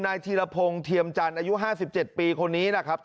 ธีรพงศ์เทียมจันทร์อายุ๕๗ปีคนนี้แหละครับ